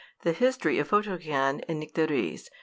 ] THE HISTORY OF PHOTOGEN AND NYCTERIS.